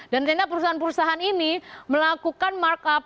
dan ternyata perusahaan perusahaan ini melakukan markup